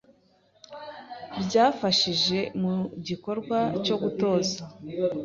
byafashije mu gikorwa cyo gutoza;